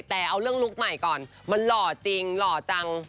แต่เอาเรื่องลุคใหม่ก่อนมันหล่อจริงหล่อจัง